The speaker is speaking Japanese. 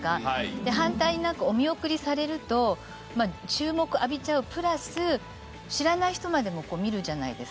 で反対になんかお見送りされると注目を浴びちゃうプラス知らない人までもこう見るじゃないですか。